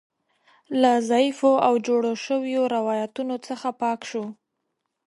له ضعیفو او جوړو شویو روایتونو څخه پاک شو.